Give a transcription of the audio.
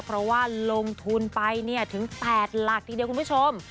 เพราะว่าลงทุนไปถึง๘หลักทีเดียวคุณผู้ชม